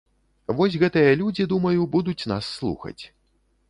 Вось гэтыя людзі, думаю, будуць нас слухаць.